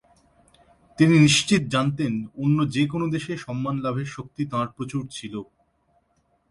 তিনি নিশ্চিত জানতেন অন্য যে-কোনো দেশে সম্মানলাভের শক্তি তাঁর প্রচুর ছিল।